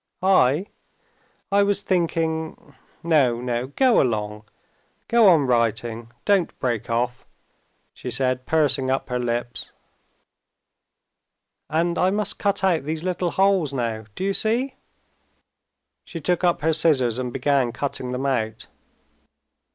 "I? I was thinking.... No, no, go along, go on writing; don't break off," she said, pursing up her lips, "and I must cut out these little holes now, do you see?" She took up her scissors and began cutting them out.